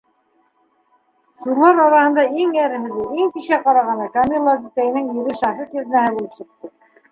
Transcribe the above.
Шулар араһында иң әрһеҙе, иң тишә ҡарағаны Камила түтәйенең ире Шафиҡ еҙнәһе булып сыҡты.